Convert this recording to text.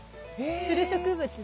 つる植物で。